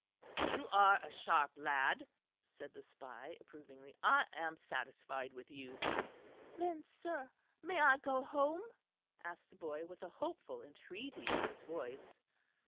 "You are a sharp lad," said the spy approvingly. "I am satisfied with you." "Then, sir, may I go home?" asked the boy with hopeful entreaty in his voice.